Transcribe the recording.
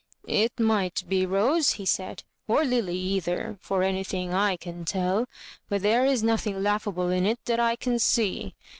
»...." It might be Rose," he said, " or Lily either, for anything I can tell; but there is nothing laughable in it that I can see.